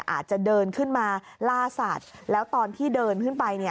อาจจะเดินขึ้นมาล่าสัตว์แล้วตอนที่เดินขึ้นไป